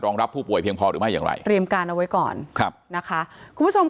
รับผู้ป่วยเพียงพอหรือไม่อย่างไรเตรียมการเอาไว้ก่อนครับนะคะคุณผู้ชม